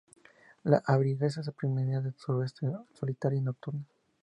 La zarigüeya pigmea del suroeste es solitaria y nocturna.